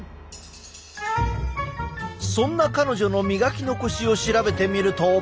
そんな彼女の磨き残しを調べてみると。